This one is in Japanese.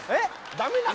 ダメなの？